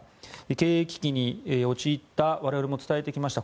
経営危機に陥った我々も伝えてきました